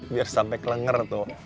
biar sampai kelengar tuh